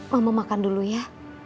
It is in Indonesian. mama makan dulu ya